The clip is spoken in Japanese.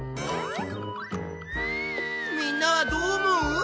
みんなはどう思う？